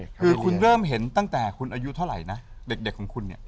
คือคุณเริ่มเห็นตั้งแต่คุณอายุเท่าไหร่นะเด็กของคุณเนี่ย